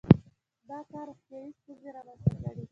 • دا کار روغتیايي ستونزې رامنځته کړې.